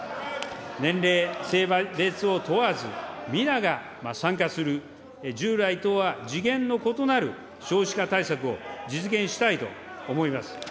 年齢、性別を問わず、皆が参加する従来とは次元の異なる少子化対策を実現したいと思います。